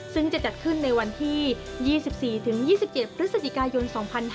ซึ่งจะจัดขึ้นในวันที่๒๔๒๗พฤศจิกายน๒๕๕๙